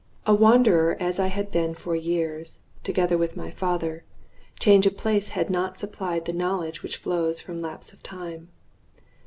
A wanderer as I had been for years, together with my father, change of place had not supplied the knowledge which flows from lapse of time.